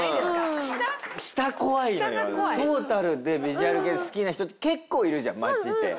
トータルでヴィジュアル系好きな人って結構いるじゃん街で。